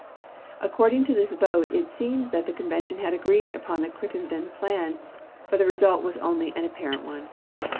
According to this vote it seemed that PP. ao','ui. the convention had agreed upon the Crittenden plan, but the result was only an apparent one.